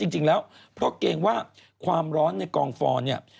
จริงแล้วเพราะเกรงว่าความร้อนในกองฟอนเนี่ย